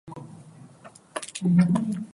大件垃圾請自己拎去垃圾站